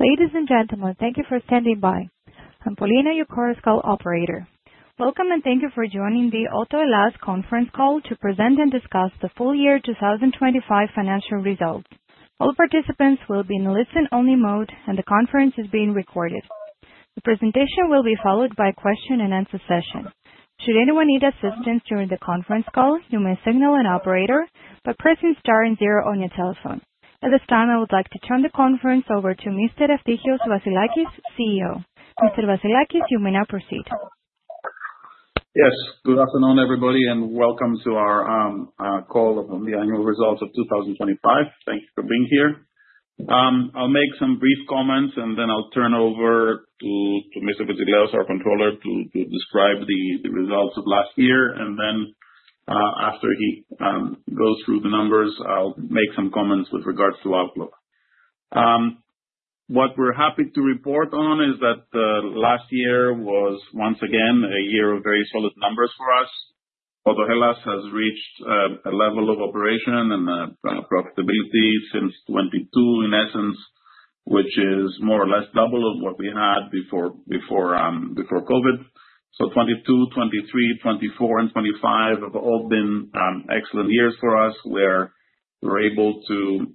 Ladies and gentlemen, thank you for standing by. I'm Paulina, your Chorus Call operator. Welcome, and thank you for joining the Autohellas conference call to present and discuss the full year 2025 financial results. All participants will be in listen-only mode, and the conference is being recorded. The presentation will be followed by a question-and-answer session. Should anyone need assistance during the conference call, you may signal an operator by pressing star and zero on your telephone. At this time, I would like to turn the conference over to Mr., CEO. Mr. Vassilakis, you may now proceed. Yes. Good afternoon, everybody, and welcome to our call on the annual results of 2025. Thank you for being here. I'll make some brief comments, and then I'll turn over to Mr. Zachos Vitzilaios, our Controller, to describe the results of last year. After he goes through the numbers, I'll make some comments with regards to outlook. What we're happy to report on is that last year was once again a year of very solid numbers for us. Autohellas has reached a level of operation and profitability since 2022, in essence, which is more or less double of what we had before COVID. 2022, 2023, 2024 and 2025 have all been excellent years for us, where we're able to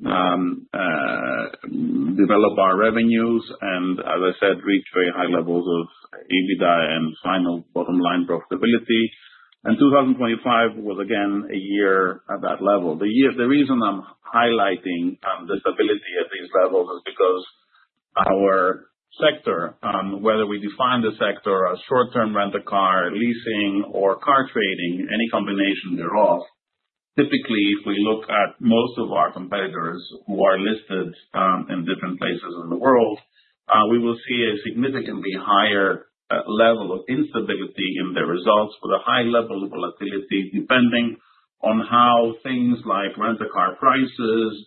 develop our revenues and as I said, reach very high levels of EBITDA and final bottom line profitability. 2025 was again a year at that level. The reason I'm highlighting the stability at these levels is because our sector, whether we define the sector as short-term rent-a-car, leasing or car trading, any combination thereof. Typically, if we look at most of our competitors who are listed in different places in the world, we will see a significantly higher level of instability in the results with a high level of volatility, depending on how things like rent-a-car prices,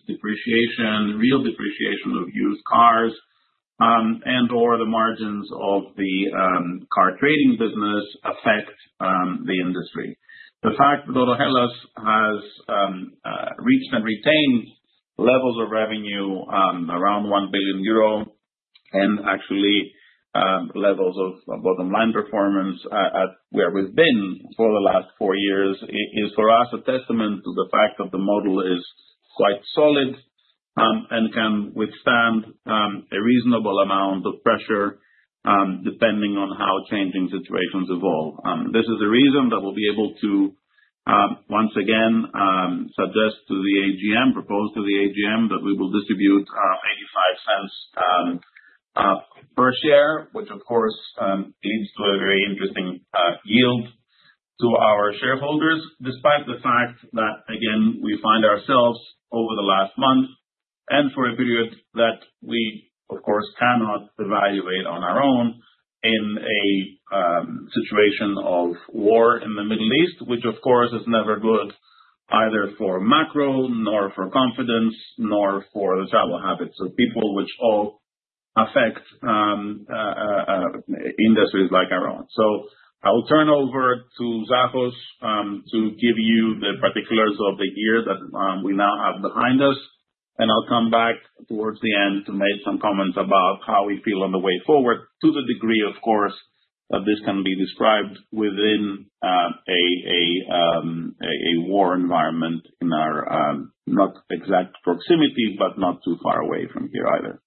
real depreciation of used cars, and/or the margins of the car trading business affect the industry. The fact that Autohellas has reached and retained levels of revenue around 1 billion euro and actually levels of bottom line performance at where we've been for the last four years is for us a testament to the fact that the model is quite solid and can withstand a reasonable amount of pressure depending on how changing situations evolve. This is the reason that we'll be able to, once again, suggest to the AGM, propose to the AGM that we will distribute 0.85 per share, which of course leads to a very interesting yield to our shareholders. Despite the fact that again, we find ourselves over the last month and for a period that we of course cannot evaluate on our own in a situation of war in the Middle East, which of course is never good either for macro nor for confidence, nor for the travel habits of people, which all affect industries like our own. I will turn over to Zachos to give you the particulars of the year that we now have behind us. I'll come back towards the end to make some comments about how we feel on the way forward, to the degree of course that this can be described within a war environment in our not exact proximity, but not too far away from here either.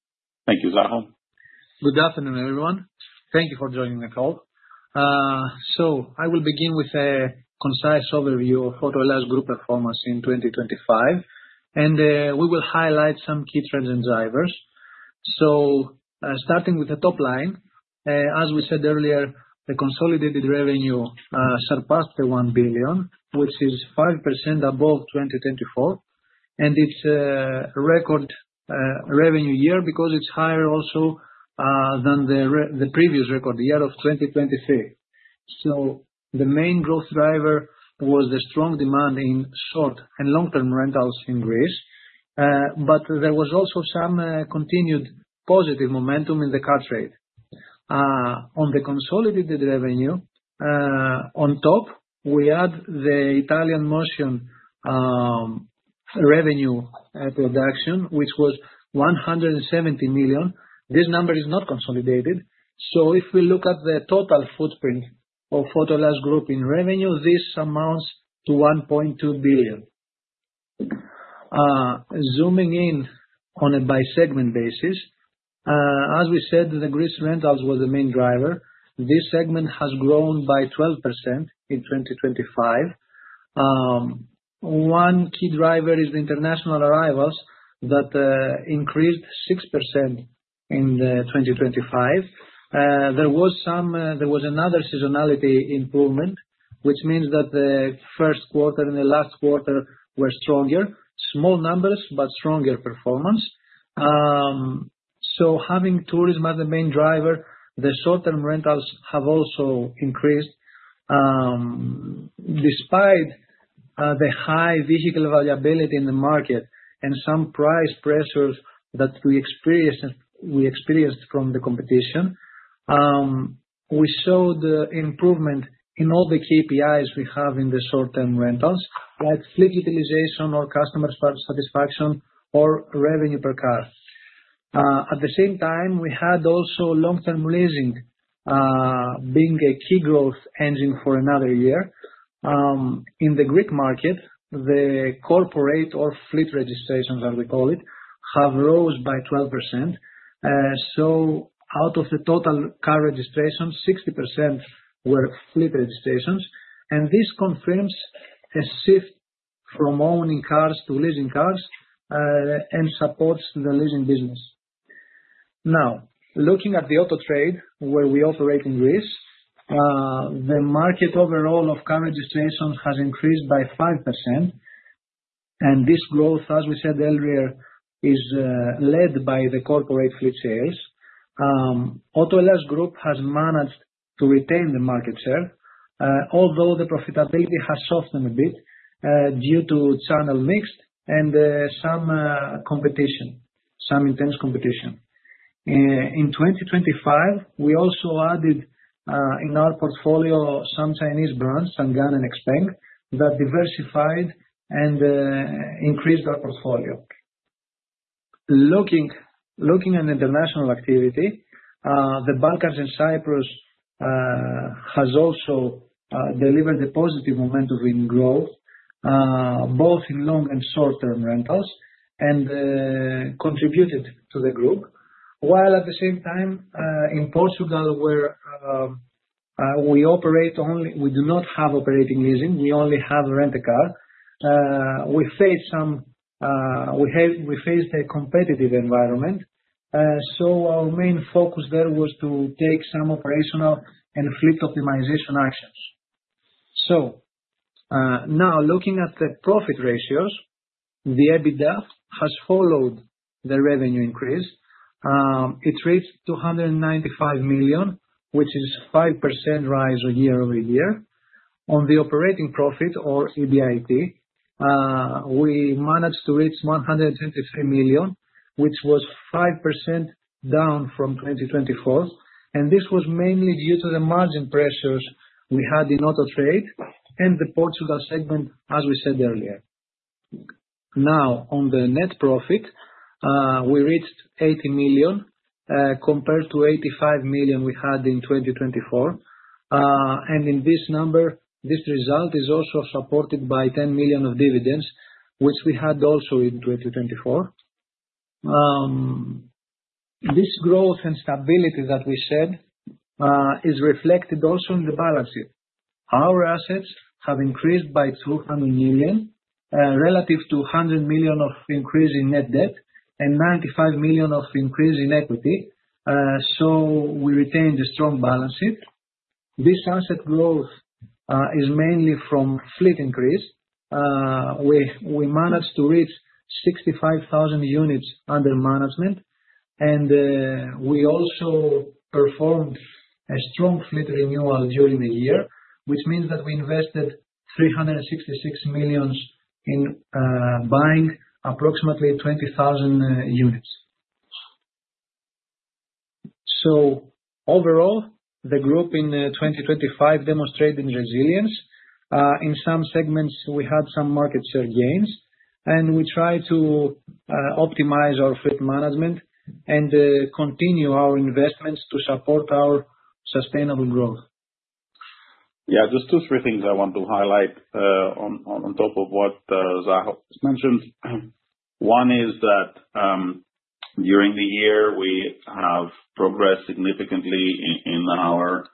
Thank you. Zachos. Good afternoon, everyone. Thank you for joining the call. I will begin with a concise overview of Autohellas Group performance in 2025. We will highlight some key trends and drivers. Starting with the top line, as we said earlier, the consolidated revenue surpassed 1 billion, which is 5% above 2024. It's a record revenue year because it's higher also than the previous record, the year of 2023. The main growth driver was the strong demand in short- and long-term rentals in Greece. There was also some continued positive momentum in the car trade. On the consolidated revenue, on top we add the Italian Motion revenue production, which was 170 million. This number is not consolidated. If we look at the total footprint of Autohellas Group in revenue, this amounts to 1.2 billion. Zooming in on a by segment basis. As we said, the Greece rentals was the main driver. This segment has grown by 12% in 2025. One key driver is the international arrivals that increased 6% in 2025. There was another seasonality improvement, which means that the first quarter and the last quarter were stronger. Small numbers, but stronger performance. Having tourism as the main driver, the short-term rentals have also increased. Despite the high vehicle availability in the market and some price pressures that we experienced from the competition. We saw the improvement in all the KPIs we have in the short-term rentals, like fleet utilization or customer satisfaction or revenue per car. At the same time, we had also long-term leasing being a key growth engine for another year. In the Greek market, the corporate or fleet registrations, as we call it, have risen by 12%. So out of the total car registrations, 60% were fleet registrations, and this confirms a shift from owning cars to leasing cars and supports the leasing business. Now, looking at the auto trade where we operate in Greece, the market overall of car registrations has increased by 5%, and this growth, as we said earlier, is led by the corporate fleet sales. Autohellas Group has managed to retain the market share, although the profitability has softened a bit due to channel mix and some competition, some intense competition. In 2025, we also added in our portfolio some Chinese brands, Changan and XPeng, that diversified and increased our portfolio. Looking at international activity, the business in Cyprus has also delivered a positive momentum in growth, both in long and short-term rentals, and contributed to the group. While at the same time, in Portugal where we operate only... We do not have operating leasing, we only have rent-a-car, we faced a competitive environment. Our main focus there was to take some operational and fleet optimization actions. Now looking at the profit ratios, the EBITDA has followed the revenue increase. It reached 295 million, which is 5% rise year-over-year. On the operating profit or EBIT, we managed to reach 123 million, which was 5% down from 2024, and this was mainly due to the margin pressures we had in auto trade and the Portugal segment, as we said earlier. Now, on the net profit, we reached 80 million, compared to 85 million we had in 2024. This result is also supported by 10 million of dividends, which we had also in 2024. This growth and stability that we said is reflected also in the balance sheet. Our assets have increased by 200 million, relative to 100 million of increase in net debt and 95 million of increase in equity. We retained a strong balance sheet. This asset growth is mainly from fleet increase. We managed to reach 65,000 units under management and we also performed a strong fleet renewal during the year, which means that we invested 366 million in buying approximately 20,000 units. Overall, the group in 2025 demonstrating resilience. In some segments we had some market share gains, and we try to optimize our fleet management and continue our investments to support our sustainable growth. Yeah. Just two, three things I want to highlight on top of what Zachos just mentioned. One is that during the year, we have progressed significantly in our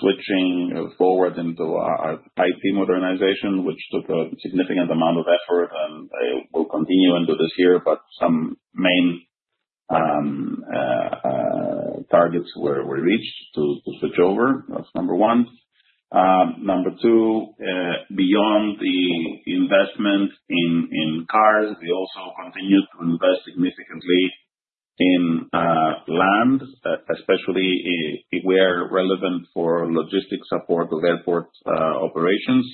switching forward into our IT modernization, which took a significant amount of effort, and I will continue into this year, but some main targets were reached to switch over. That's number one. Number two, beyond the investment in cars, we also continued to invest significantly in land especially where relevant for logistics support of airport operations.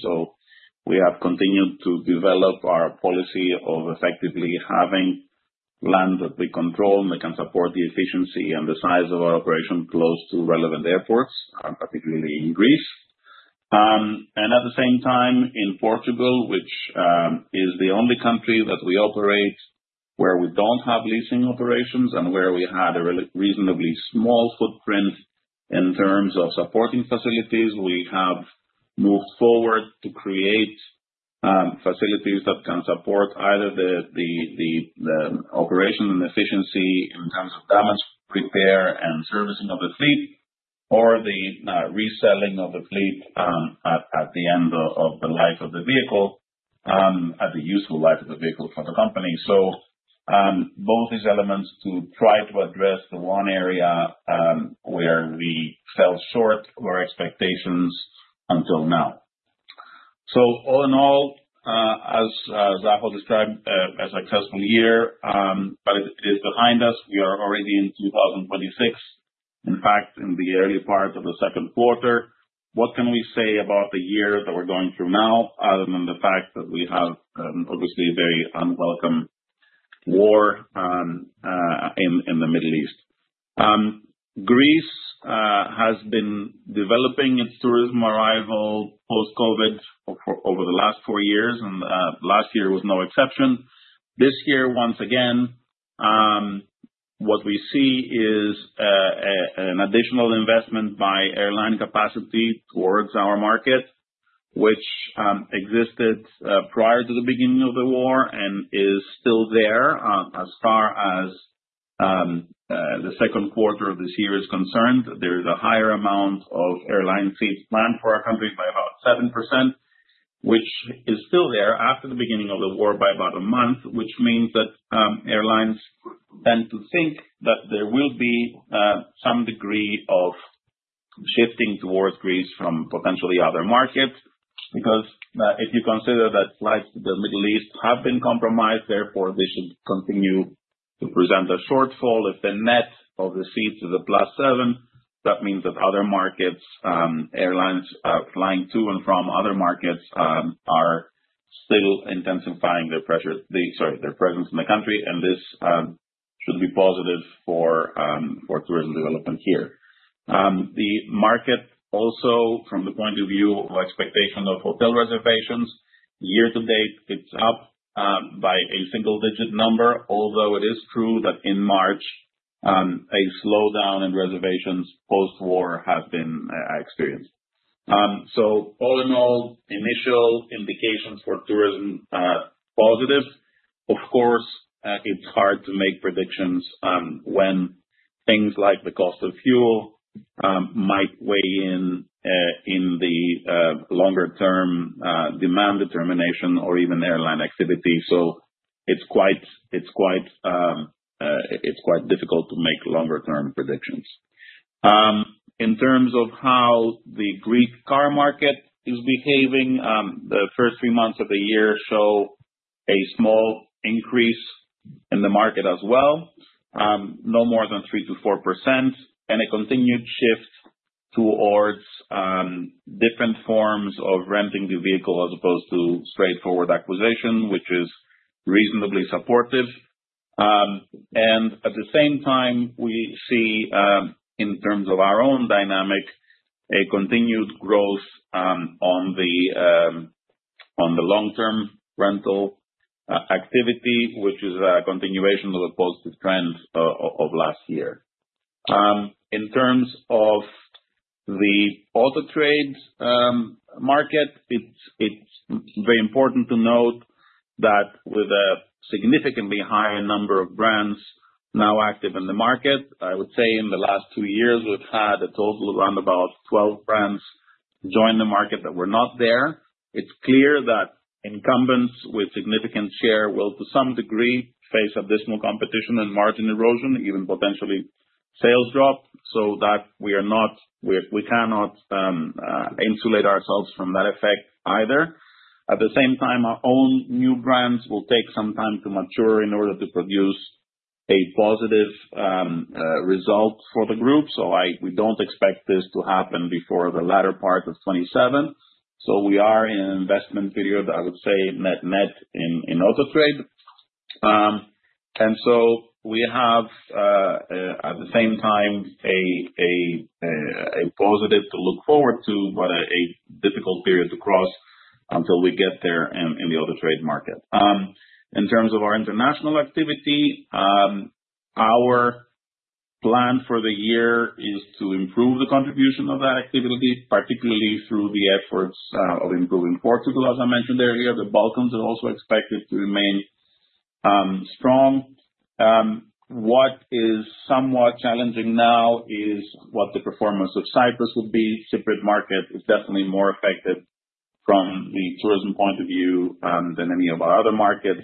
We have continued to develop our policy of effectively having land that we control and that can support the efficiency and the size of our operation close to relevant airports, particularly in Greece. At the same time, in Portugal, which is the only country that we operate where we don't have leasing operations and where we had a reasonably small footprint in terms of supporting facilities. We have moved forward to create facilities that can support either the operation and efficiency in terms of damage repair and servicing of the fleet, or the reselling of the fleet at the end of the life of the vehicle at the useful life of the vehicle for the company. Both these elements to try to address the one area where we fell short of our expectations until now. All in all, as Zachos described, a successful year, but it is behind us. We are already in 2026, in fact, in the early part of the second quarter. What can we say about the year that we're going through now, other than the fact that we have obviously a very unwelcome war in the Middle East. Greece has been developing its tourism arrival post COVID over the last four years, and last year was no exception. This year, once again, what we see is an additional investment by airline capacity towards our market, which existed prior to the beginning of the war and is still there. As far as the second quarter of this year is concerned, there is a higher amount of airline seats planned for our country by about 7%, which is still there after the beginning of the war by about a month, which means that airlines tend to think that there will be some degree of shifting towards Greece from potentially other markets. Because if you consider that flights to the Middle East have been compromised, therefore they should continue to present a shortfall. If the net of the seats is a +7, that means that other markets, airlines flying to and from other markets are still intensifying their presence in the country, and this should be positive for tourism development here. The market also from the point of view of expectation of hotel reservations, year-to-date, it's up by a single digit number, although it is true that in March a slowdown in reservations post-war has been experienced. All in all, initial indications for tourism are positive. Of course, it's hard to make predictions when things like the cost of fuel might weigh in in the longer term demand determination or even airline activity. It's quite difficult to make longer term predictions. In terms of how the Greek car market is behaving, the first three months of the year show a small increase in the market as well, no more than 3%-4%, and a continued shift towards different forms of renting the vehicle as opposed to straightforward acquisition, which is reasonably supportive. At the same time, we see in terms of our own dynamics, a continued growth on the long-term rental activity, which is a continuation of a positive trend of last year. In terms of the auto trade market, it's very important to note that with a significantly higher number of brands now active in the market, I would say in the last two years, we've had a total of around about 12 brands join the market that were not there. It's clear that incumbents with significant share will, to some degree, face additional competition and margin erosion, even potentially sales drop. We cannot insulate ourselves from that effect either. At the same time, our own new brands will take some time to mature in order to produce a positive result for the group. We don't expect this to happen before the latter part of 2027. We are in an investment period, I would say net in auto trade. We have at the same time a positive to look forward to, but a difficult period to cross until we get there in the auto trade market. In terms of our international activity, our plan for the year is to improve the contribution of that activity, particularly through the efforts of improving Portugal, as I mentioned earlier. The Balkans are also expected to remain strong. What is somewhat challenging now is what the performance of Cyprus will be. Cyprus market is definitely more affected from the tourism point of view than any of our other markets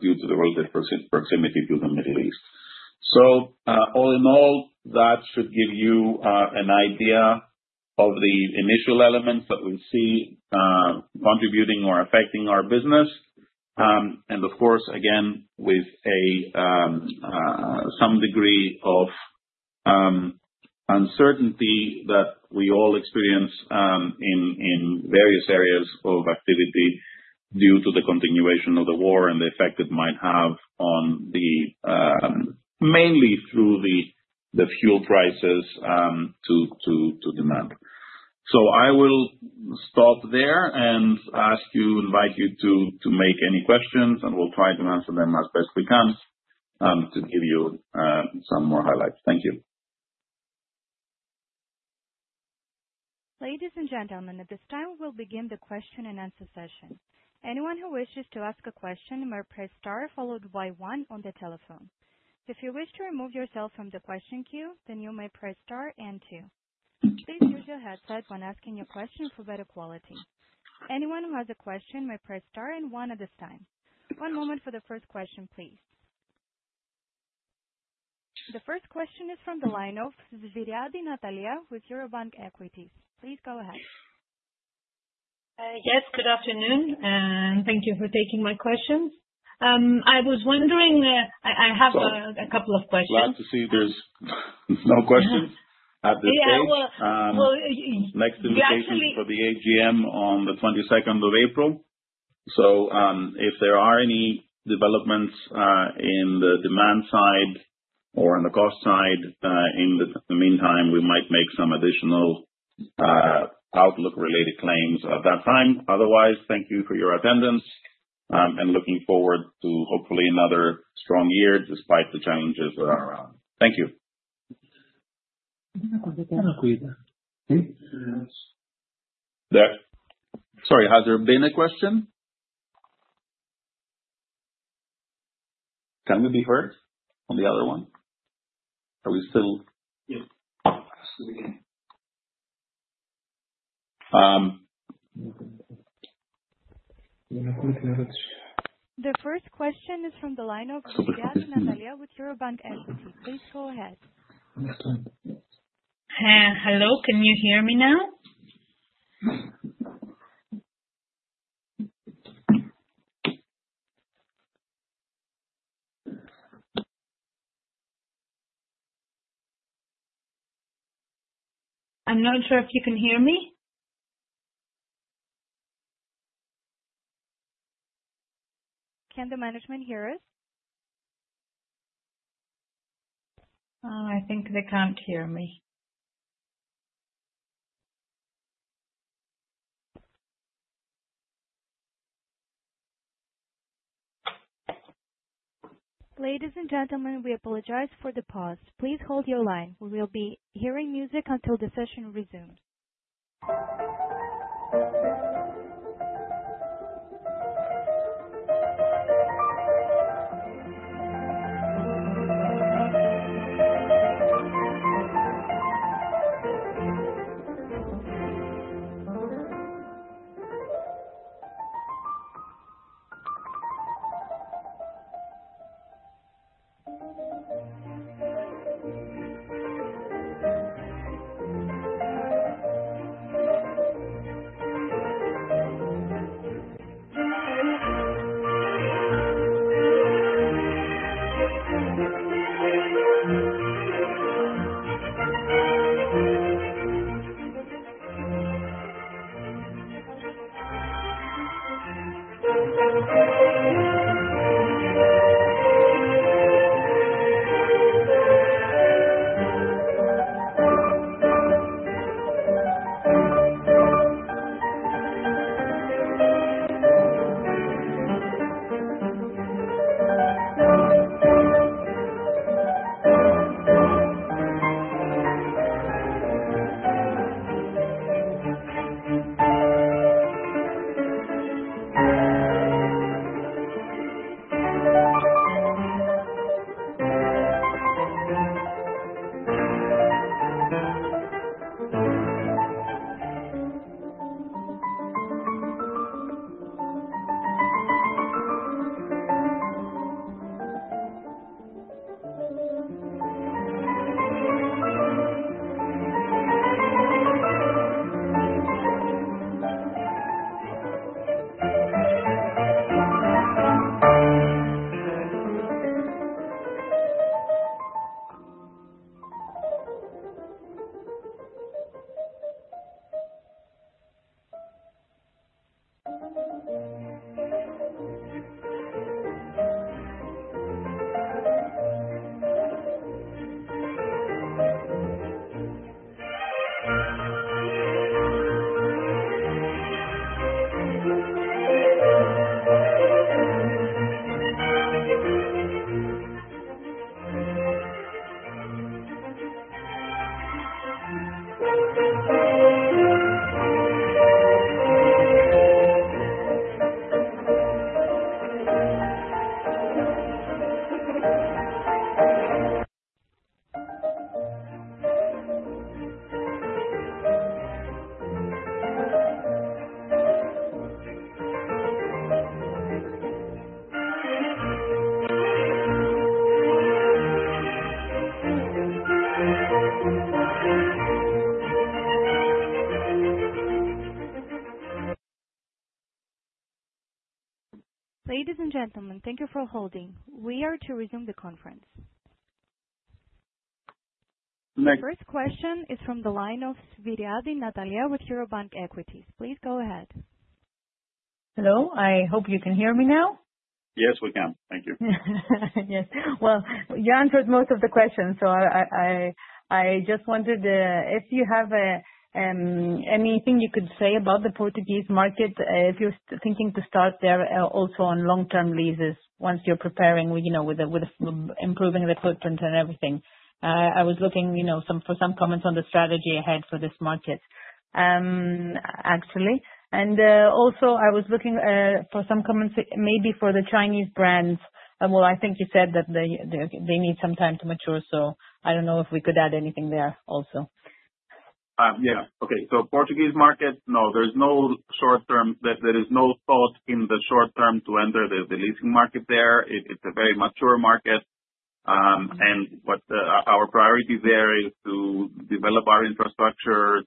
due to the relative proximity to the Middle East. All in all, that should give you an idea of the initial elements that we see contributing or affecting our business. Of course, again, with some degree of uncertainty that we all experience in various areas of activity due to the continuation of the war and the effect it might have on demand mainly through the fuel prices. I will stop there and invite you to make any questions, and we'll try to answer them as best we can to give you some more highlights. Thank you. Ladies and gentlemen, at this time we'll begin the question-and-answer session. Anyone who wishes to ask a question may press star followed by one on the telephone. If you wish to remove yourself from the question queue, then you may press star and two. Please use your headset when asking your question for better quality. Anyone who has a question may press star and one at this time. One moment for the first question, please. The first question is from the line of Svyriadi Natalia with Eurobank Equities. Please go ahead. Yes, good afternoon, and thank you for taking my questions. I was wondering, I have a couple of questions. Glad to see there is no questions at this stage. Yeah. Well, actually. Next invitation for the AGM on the 22nd of April. If there are any developments in the demand side or on the cost side in the meantime, we might make some additional outlook related claims at that time. Otherwise, thank you for your attendance and looking forward to hopefully another strong year despite the challenges that are around. Thank you. Sorry. Has there been a question? Can we be heard on the other one? Are we still? Yeah. Um. The first question is from the line of Svyriadi Natalia with Eurobank Equities. Please go ahead. Next one, yes. Hello. Can you hear me now? I'm not sure if you can hear me. Can the management hear us? I think they can't hear me. Ladies and gentlemen, we apologize for the pause. Please hold your line. We will be hearing music until the session resumes. Ladies and gentlemen, thank you for holding. We are to resume the conference. The first question is from the line of Svyriadi Natalia with Eurobank Equities. Please go ahead. Hello. I hope you can hear me now. Yes, we can. Thank you. Yes. Well, you answered most of the questions. I just wanted if you have anything you could say about the Portuguese market, if you're thinking to start there also on long-term leases once you're preparing, you know, with improving the footprint and everything. I was looking, you know, for some comments on the strategy ahead for this market, actually. I was looking for some comments maybe for the Chinese brands. Well, I think you said that they need some time to mature, so I don't know if we could add anything there also. Portuguese market, no, there's no short-term. There is no thought in the short-term to enter the leasing market there. It's a very mature market. Our priority there is to develop our infrastructure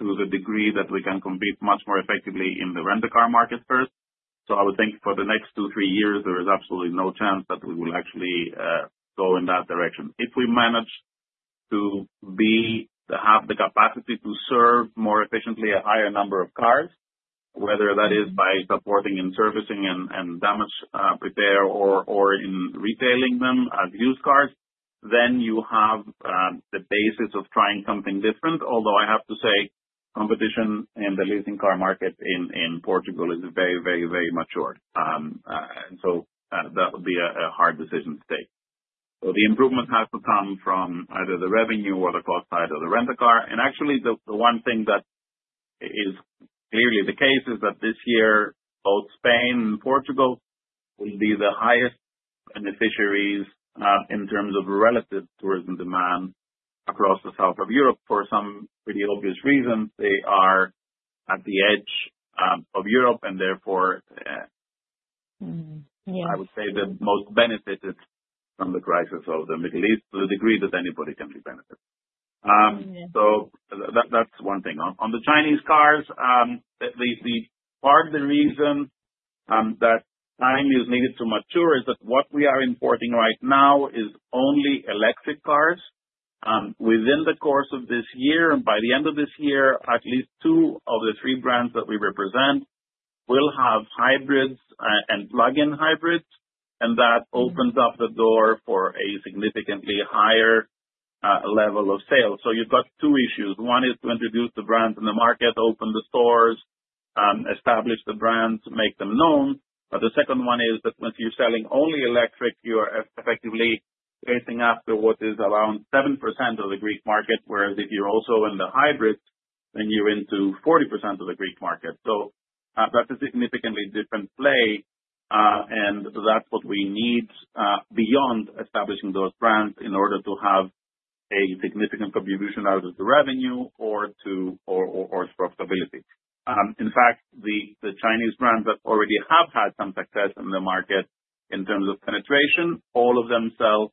to the degree that we can compete much more effectively in the rent-a-car market first. I would think for the next two-three years, there is absolutely no chance that we will actually go in that direction. If we manage to have the capacity to serve more efficiently a higher number of cars, whether that is by supporting and servicing and damage repair or in retailing them as used cars, then you have the basis of trying something different. Although I have to say competition in the leasing car market in Portugal is very, very, very mature. That would be a hard decision to take. The improvement has to come from either the revenue or the cost side of the rent-a-car. Actually the one thing that is clearly the case is that this year, both Spain and Portugal will be the highest beneficiaries in terms of relative tourism demand across the south of Europe. For some pretty obvious reasons, they are at the edge of Europe and therefore, Mm-hmm. Yeah I would say the most benefited from the crisis of the Middle East to the degree that anybody can be benefited. Mm-hmm. That's one thing. On the Chinese cars, the part of the reason that time is needed to mature is that what we are importing right now is only electric cars. Within the course of this year, and by the end of this year, at least two of the three brands that we represent will have hybrids and plug-in hybrids. That opens up the door for a significantly higher level of sales. You've got two issues. One is to introduce the brands in the market, open the stores, establish the brands, make them known. The second one is that once you're selling only electric, you are effectively chasing after what is around 7% of the Greek market, whereas if you're also in the hybrid, then you're into 40% of the Greek market. That's a significantly different play, and that's what we need beyond establishing those brands in order to have a significant contribution out of the revenue or to profitability. In fact, the Chinese brands that already have had some success in the market in terms of penetration, all of them sell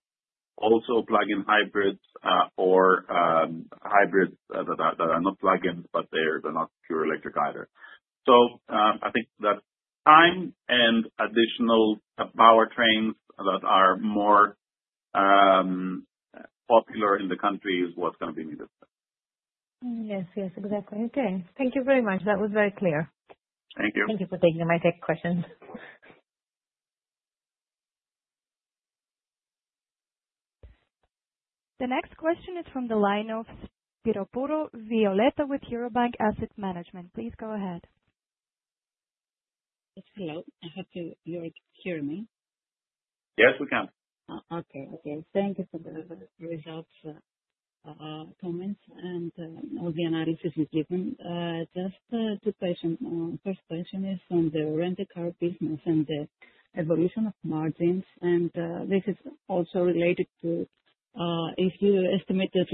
also plug-in hybrids, or hybrids that are not plug-ins, but they're not pure electric either. I think that time and additional powertrains that are more popular in the country is what's gonna be needed. Yes. Yes. Exactly. Okay. Thank you very much. That was very clear. Thank you. Thank you for taking my tech questions. The next question is from the line of Spyropoulou Violetta with Eurobank Asset Management. Please go ahead. Yes. Hello. I hope you hear me. Yes, we can. Okay. Thank you for the results, comments and all the analysis you've given. Just two questions. First question is on the rent-a-car business and the evolution of margins. This is also related to if you estimate that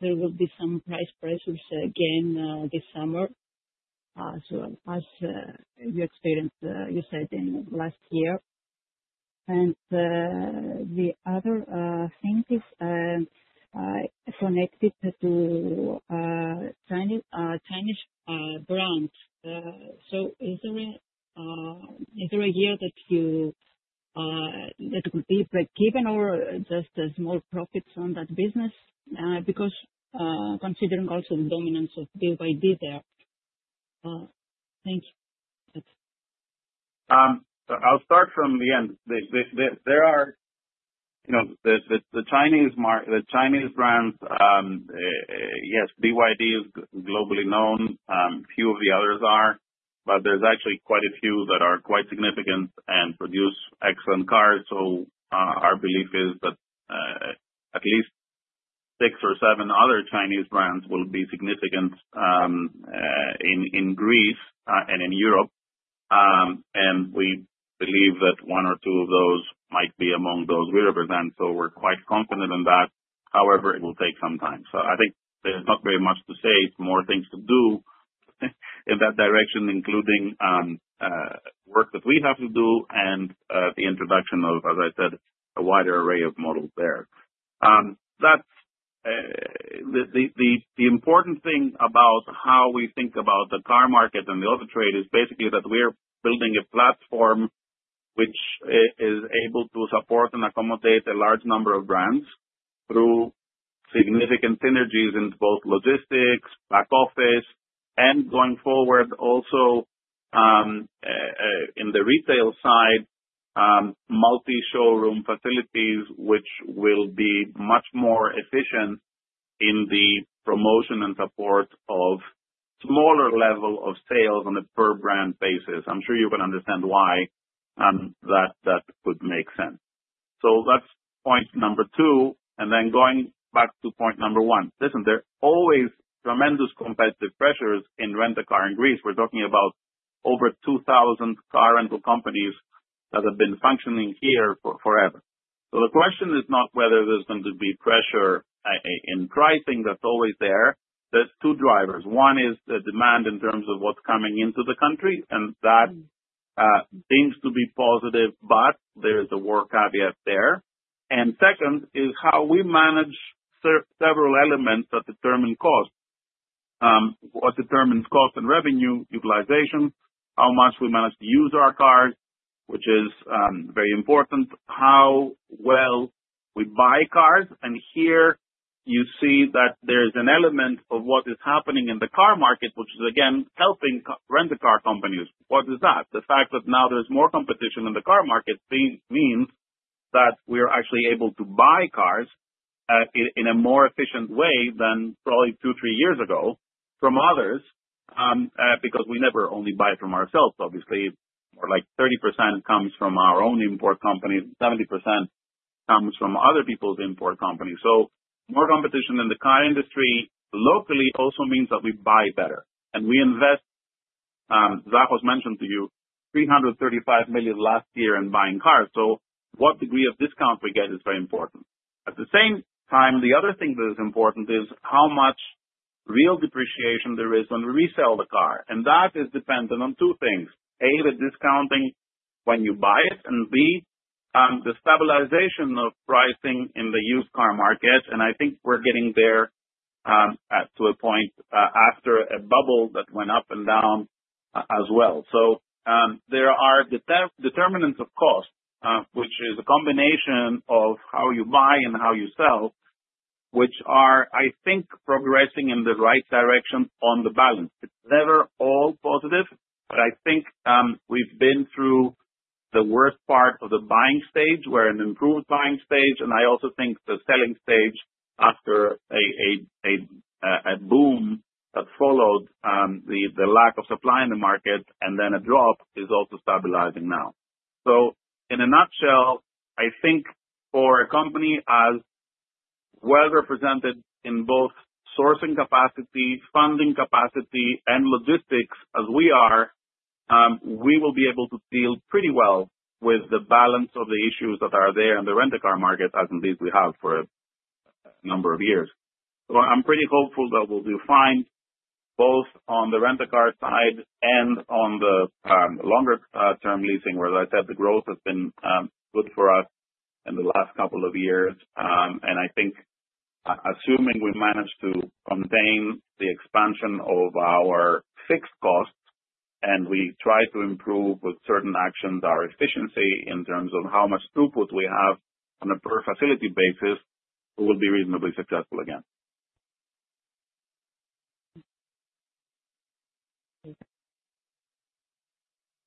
there will be some price pressures again this summer, so as you experienced last year. The other thing is connected to Chinese brand. So is there a year that could be break even or just there's more profits on that business? Because considering also the dominance of BYD there. Thank you. That's all. I'll start from the end. There are you know, the Chinese brands, yes, BYD is globally known, few of the others are, but there's actually quite a few that are quite significant and produce excellent cars. Our belief is that at least six or seven other Chinese brands will be significant in Greece and in Europe. We believe that one or two of those might be among those we represent. We're quite confident on that. However, it will take some time. I think there's not very much to say, it's more things to do in that direction, including work that we have to do and the introduction of, as I said, a wider array of models there. That's, the important thing about how we think about the car market and the auto trade is basically that we are building a platform which is able to support and accommodate a large number of brands through significant synergies in both logistics, back office, and going forward also in the retail side, multi-showroom facilities, which will be much more efficient in the promotion and support of smaller level of sales on a per brand basis. I'm sure you can understand why that would make sense. That's point number two. Going back to point number one. Listen, there are always tremendous competitive pressures in rent-a-car in Greece. We're talking about over 2,000 car rental companies that have been functioning here for forever. The question is not whether there's going to be pressure in pricing that's always there. There's two drivers. One is the demand in terms of what's coming into the country, and that seems to be positive, but there is a war caveat there. Second is how we manage several elements that determine cost. What determines cost and revenue utilization, how much we manage to use our cars, which is very important, how well we buy cars. Here you see that there's an element of what is happening in the car market, which is again helping car rental companies. What is that? The fact that now there's more competition in the car market this means that we are actually able to buy cars in a more efficient way than probably two, three years ago from others, because we never only buy from ourselves obviously, or like 30% comes from our own import company, 70% comes from other people's import company. More competition in the car industry locally also means that we buy better and we invest, Zachos mentioned to you, 335 million last year in buying cars. What degree of discount we get is very important. At the same time, the other thing that is important is how much real depreciation there is when we resell the car, and that is dependent on two things. A, the discounting when you buy it, and B, the stabilization of pricing in the used car market. I think we're getting there, to a point, after a bubble that went up and down as well. There are determinants of cost, which is a combination of how you buy and how you sell, which are, I think, progressing in the right direction on balance. It's never all positive, but I think we've been through the worst part of the buying stage. We're in an improved buying stage, and I also think the selling stage after a boom that followed the lack of supply in the market and then a drop is also stabilizing now. In a nutshell, I think for a company as well represented in both sourcing capacity, funding capacity, and logistics as we are, we will be able to deal pretty well with the balance of the issues that are there in the rent-a-car market, as indeed we have for a number of years. I'm pretty hopeful that we'll do fine, both on the rent-a-car side and on the long-term leasing, where, as I said, the growth has been good for us in the last couple of years. I think assuming we manage to contain the expansion of our fixed costs and we try to improve with certain actions our efficiency in terms of how much throughput we have on a per facility basis, we'll be reasonably successful again.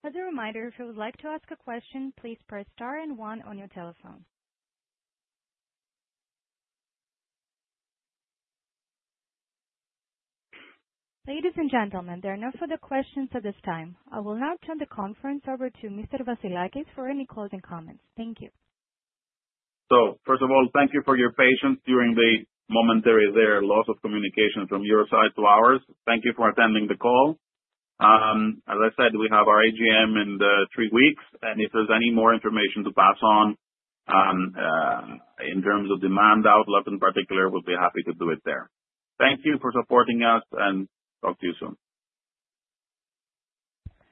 As a reminder, if you would like to ask a question, please press star and one on your telephone. Ladies and gentlemen, there are no further questions at this time. I will now turn the conference over to Mr. Vassilakis for any closing comments. Thank you. First of all, thank you for your patience during the momentary loss of communication from your side to ours. Thank you for attending the call. As I said, we have our AGM in three weeks, and if there's any more information to pass on, in terms of demand outlook in particular, we'll be happy to do it there. Thank you for supporting us, and talk to you soon.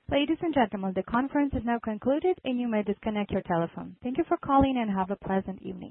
Ladies and gentlemen, the conference is now concluded and you may disconnect your telephone. Thank you for calling and have a pleasant evening.